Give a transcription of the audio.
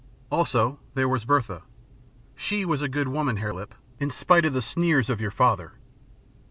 Also, there was Bertha. She was a good woman, Hare Lip, in spite of the sneers of your father.